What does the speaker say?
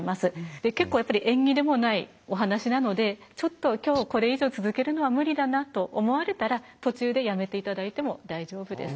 で結構やっぱり縁起でもないお話なのでちょっと今日これ以上続けるのは無理だなと思われたら途中でやめて頂いても大丈夫です。